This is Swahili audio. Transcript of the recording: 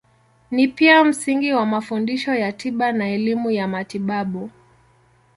Ni pia msingi wa mafundisho ya tiba na elimu ya matibabu.